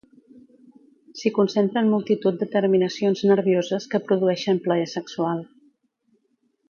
S'hi concentren multitud de terminacions nervioses que produeixen plaer sexual.